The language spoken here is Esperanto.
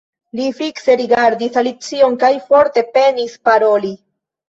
Li fikse rigardis Alicion kaj forte penis paroli.